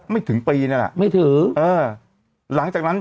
ถึงปีนั่นแหละไม่ถือเออหลังจากนั้น